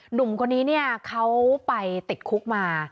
หนุ่มคนนี้เขาไปติดคุกมา